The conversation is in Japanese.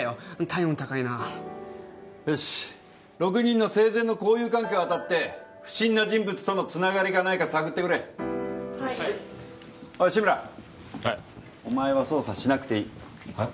体温高いなよし６人の生前の交友関係をあたって不審な人物とのつながりがないか探ってくれはいおい志村はいお前は捜査しなくていいはい？